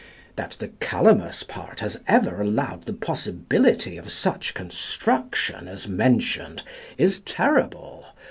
That the Calamus part has ever allowed the possibility of such construction as mentioned is terrible.